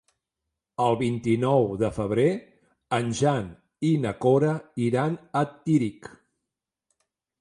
El vint-i-nou de febrer en Jan i na Cora iran a Tírig.